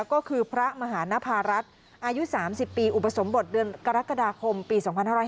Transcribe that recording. ก็คือพระมหานภารัฐอายุ๓๐ปีอุปสมบทเดือนกรกฎาคมปี๒๕๕๙